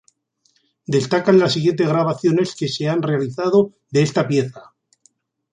Destacan las siguientes grabaciones que se han realizado de esta pieza.